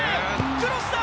クロスだ！